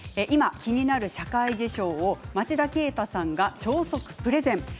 今、気になる社会事象を町田啓太さんが超速プレゼン。